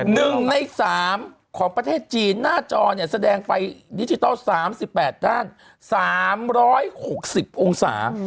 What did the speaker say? ถูกหนึ่งในสามของประเทศจีนหน้าจอเนี่ยแสดงไฟดิจิทัล๓๘ด้าน๓๖๐องศา